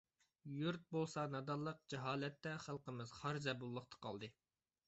يۇرت بولسا نادانلىق، جاھالەتتە، خەلقىمىز خار-زەبۇنلۇقتا قالدى.